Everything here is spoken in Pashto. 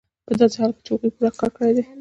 په داسې حال کې چې هغوی پوره کار کړی دی